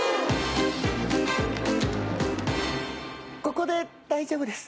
ここで大丈夫です。